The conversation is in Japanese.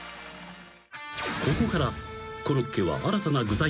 ［ここからコロッケは］